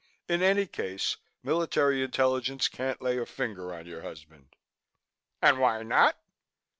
In any case, military intelligence can't lay a finger on your husband." "And why not?"